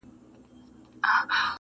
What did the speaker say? او خپل بار وړي خاموشه,